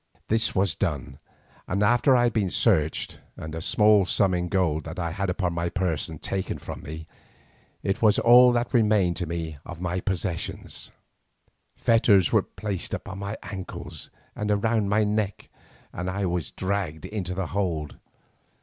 This was done, and after I had been searched and a small sum in gold that I had upon my person taken from me—it was all that remained to me of my possessions—fetters were placed upon my ankles and round my neck, and I was dragged into the hold.